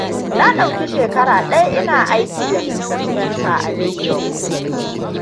Na ɗauki shekara ɗaya ina aiki da Mr Spencer a New York.